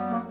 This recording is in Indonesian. ya ya gak